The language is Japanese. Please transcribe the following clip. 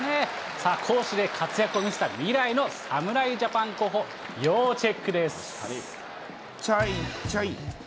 さあ、攻守で活躍を見せた未来の侍ジャパン候補、ちょいちょい。